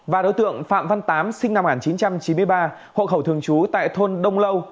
và đối tượng phạm văn tám sinh năm một nghìn chín trăm chín mươi ba hộ khẩu thường trú tại thôn đông lâu